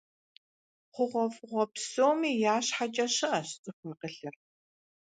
ХъугъуэфӀыгъуэ псоми я щхьэкӀэ щыӀэщ цӀыху акъылыр.